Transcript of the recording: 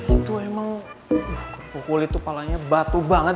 itu emang pukul itu palanya batu banget